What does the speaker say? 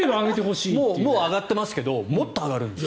もう上がってますけどもっと上がるんですよ。